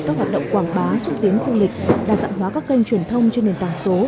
các hoạt động quảng bá xúc tiến du lịch đa dạng hóa các kênh truyền thông trên nền tảng số